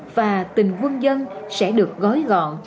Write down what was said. và tình quân dân sẽ được gói gọn